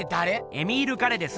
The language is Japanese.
エミール・ガレです。